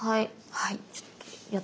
はい。